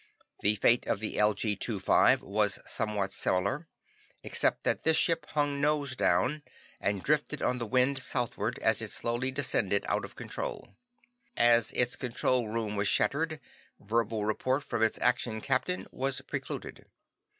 "The fate of the LG 25 was somewhat similar, except that this ship hung nose down, and drifted on the wind southward as it slowly descended out of control. "As its control room was shattered, verbal report from its Action Captain was precluded.